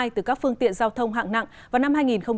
từ các phương tiện giao thông hạng nặng vào năm hai nghìn hai mươi